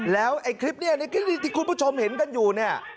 แล้วคลิปนี้ที่คุณผู้ชมเห็นกันอยู่